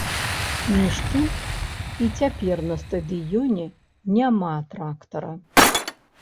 Між тым, і цяпер на стадыёне няма трактара.